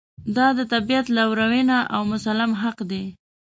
دا د طبعیت لورېینه او مسلم حق دی.